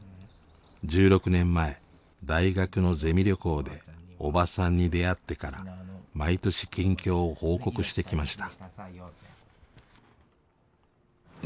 １６年前大学のゼミ旅行でおばさんに出会ってから毎年近況を報告してきました。